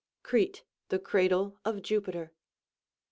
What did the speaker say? "Crete, the cradle of Jupiter."